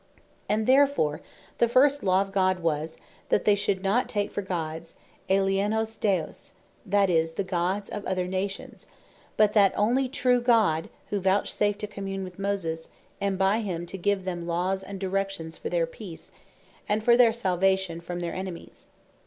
And therefore the first Law of God was, "They should not take for Gods, ALIENOS DEOS, that is, the Gods of other nations, but that onely true God, who vouchsafed to commune with Moses, and by him to give them laws and directions, for their peace, and for their salvation from their enemies."